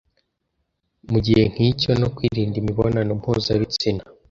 mu gihe nk'icyo no kwirinda imibonano mpuzabitsina.